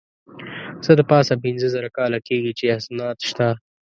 څه د پاسه پینځه زره کاله کېږي چې اسناد شته.